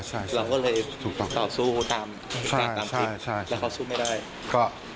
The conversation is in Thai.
เราก็เลยต่อสู้ตามพิการตามพิกแล้วเขาสู้ไม่ได้